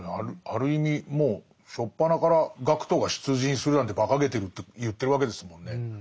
ある意味もう初っぱなから学徒が出陣するなんてばかげてるって言ってるわけですもんね。